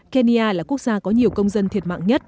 kenya là quốc gia có nhiều công dân thiệt mạng nhất